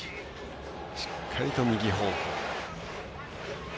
しっかりと右方向。